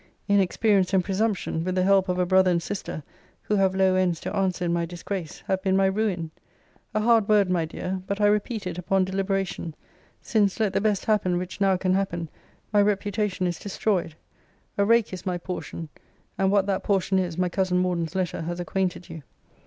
Inexperience and presumption, with the help of a brother and sister who have low ends to answer in my disgrace, have been my ruin! A hard word, my dear! but I repeat it upon deliberation: since, let the best happen which now can happen, my reputation is destroyed; a rake is my portion: and what that portion is my cousin Morden's letter has acquainted you.